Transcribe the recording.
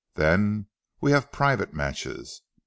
Then we have private matches.